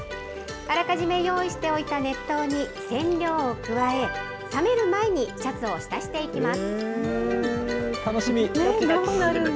あらかじめ用意しておいた熱湯に染料を加え、冷める前にシャツを浸していきます。